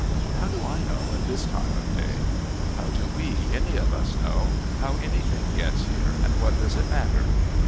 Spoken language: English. How do I know at this time of day? How do we, any of us, know how anything gets here, and what does it matter?